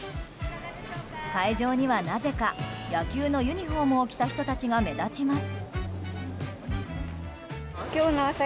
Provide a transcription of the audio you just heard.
会場には、なぜか野球のユニホームを着た人たちが目立ちます。